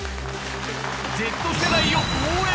Ｚ世代を応援。